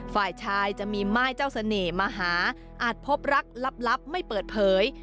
ฝ่ายชายจะมีม่ายเจ้าเสน่ห์มาหาอาจพบรักลับไม่เปิดเผย